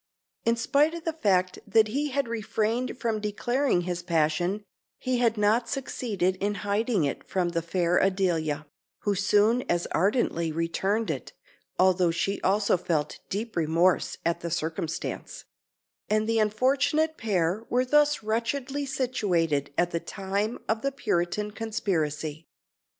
In spite of the fact that he had refrained from declaring his passion, he had not succeeded in hiding it from the fair Adelia, who soon as ardently returned it, although she also felt deep remorse at the circumstance; and the unfortunate pair were thus wretchedly situated at the time of the Puritan conspiracy.